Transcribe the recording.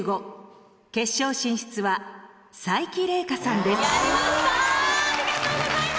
決勝進出は才木玲佳さんです。